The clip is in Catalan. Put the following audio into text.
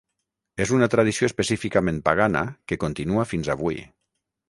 És una tradició específicament pagana que continua fins avui.